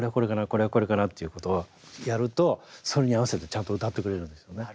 これはこれかな」っていうことをやるとそれに合わせてちゃんと歌ってくれるんですよね。